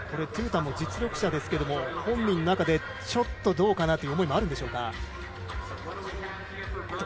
トゥータンも実力者ですけども本人の中でちょっと、どうかなという思いもどうでしょう。